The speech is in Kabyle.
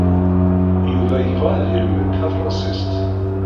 Yuba yebɣa ad yelmed tafṛensist.